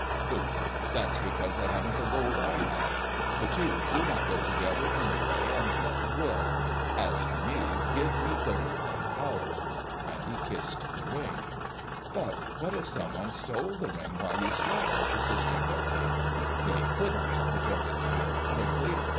"Pooh! that's because they haven't the gold I have. The two do not go together anyway, and never will. As for me, give me gold and power." And he kissed the Ring. "But what if someone stole the Ring while you slept," persisted Loki. "They couldn't," retorted the dwarf quickly.